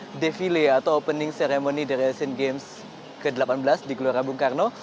ini adalah de ville atau opening ceremony dari sin games ke delapan belas di gelora bung karno